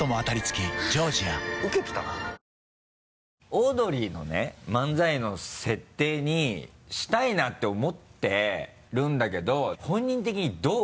オードリーのね漫才の設定にしたいなって思ってるんだけど本人的にどう？